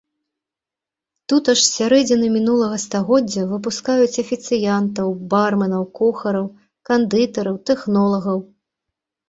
Тут аж з сярэдзіны мінулага стагоддзя выпускаюць афіцыянтаў, барменаў, кухараў, кандытараў, тэхнолагаў.